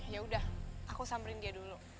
ya sudah aku samberin dia dulu